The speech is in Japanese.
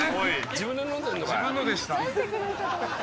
自分で飲んでるのかい。